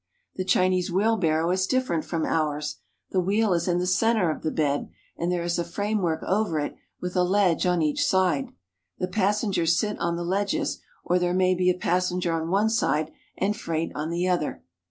The Chinese wheelbarrow is different from ours. The wheel is in the center of the bed, and there is a framework over it with a ledge on each side. The passengers sit on the ledges, or there may be a passenger on one side and freight on the other.